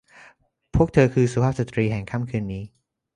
พวกเธอคือสุภาพสตรีแห่งค่ำคืนนี้